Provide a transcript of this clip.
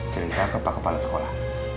cerita ke pak kepala sekolah